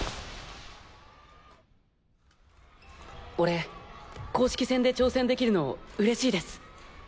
俺公式戦で挑戦できるの嬉しいです。